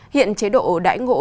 hiện chế độ đải ngộ